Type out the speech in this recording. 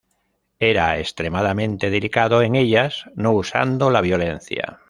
Era extremadamente delicado en ellas, no usando la violencia.